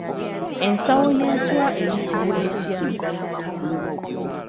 Ensawo y'enswa eyitibwa etya?